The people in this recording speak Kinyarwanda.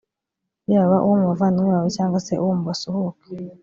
yaba uwo mu bavandimwe bawe cyangwa se uwo mu basuhuke